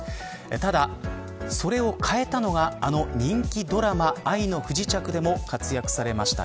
ただ、それを変えたのがあの人気ドラマ、愛の不時着でも活躍されました